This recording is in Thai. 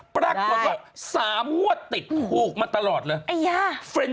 ปรากฏว่า๓งวดติดถูกมาตลอดเลย